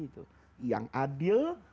itu yang adil